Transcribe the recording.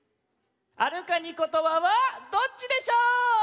「あるカニことば」はどっちでしょう？